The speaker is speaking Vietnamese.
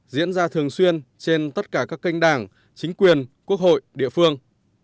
diễn ra thường xuyên trên tất cả các kênh đảng chính quyền quốc hội địa phương